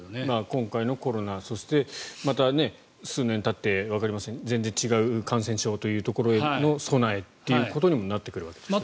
今回のコロナそして、また数年たってわかりませんが全然違う感染症というところへの備えということにもなってくるわけですね。